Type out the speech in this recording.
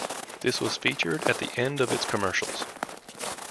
This was featured at the end of its commercials.